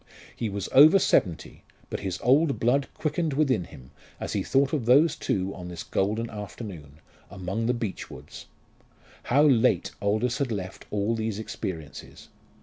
He was over seventy, but his old blood quickened within him as he thought of those two on this golden afternoon, among the beech woods. How late Aldous had left all these experiences!